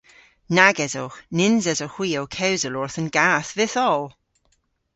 Nag esowgh. Nyns esowgh hwi ow kewsel orth an gath vytholl.